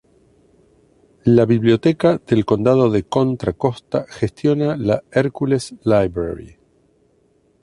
La Biblioteca del Condado de Contra Costa gestiona la Hercules Library.